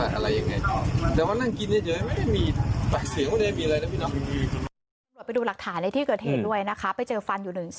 สภาพประโคนชัยก็ไปตรวจสอบที่เกิดเหตุนะคะ